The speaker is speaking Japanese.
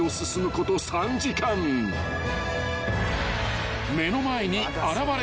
これ。